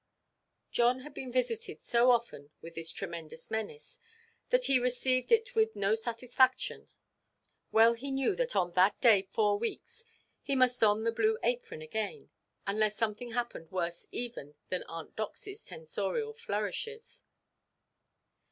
John had been visited so often with this tremendous menace, that he received it with no satisfaction. Well he knew that on that day four weeks he must don the blue apron again, unless something happened worse even than Aunt Doxyʼs tonsorial flourishes.